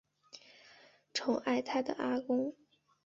宠爱她的阿公